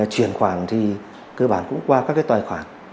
chuyển khoản thì cơ bản cũng qua các tài khoản